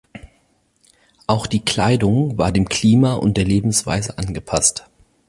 Auch die Kleidung war dem Klima und der Lebensweise angepasst.